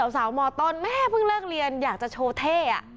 สาวมต้นแม่เพิ่งเลิกเรียนอยากจะโชว์เท่